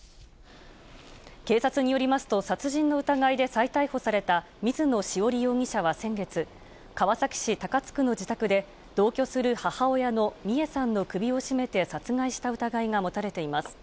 警察によりますと、殺人の疑いで再逮捕された水野潮理容疑者は先月、川崎市高津区の自宅で、同居する母親の美恵さんの首を絞めて殺害した疑いが持たれています。